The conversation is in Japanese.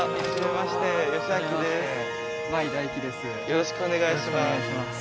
よろしくお願いします。